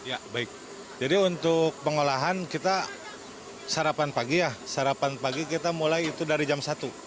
ya baik jadi untuk pengolahan kita sarapan pagi ya sarapan pagi kita mulai itu dari jam satu